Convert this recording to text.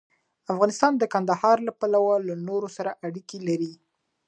افغانستان د کندهار له پلوه له نورو سره اړیکې لري.